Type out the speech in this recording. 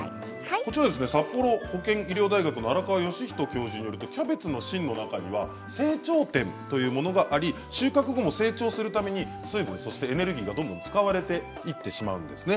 こちらですね札幌保健医療大学の荒川義人教授によるとキャベツの芯の中には生長点というものがあり収穫後も成長するために水分そしてエネルギーがどんどん使われていってしまうんですね。